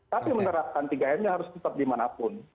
tidak ada yang mengatakan tiga m nya harus tetap dimanapun